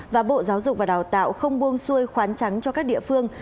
và bộ giáo dục và đào tạo không buông xuôi khoán trắng cho các địa phương